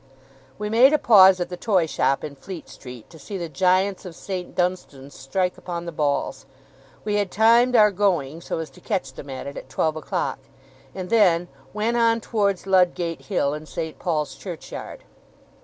We made a pause at the toy shop in Fleet Street, to see the giants of Saint Dunstan's strike upon the bells we had timed our going, so as to catch them at it, at twelve o'clock and then went on towards Ludgate Hill, and St. Paul's Churchyard.